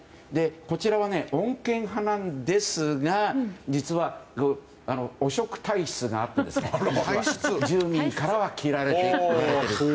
こちらは穏健派なんですが実は、汚職体質があって住民からは嫌われている。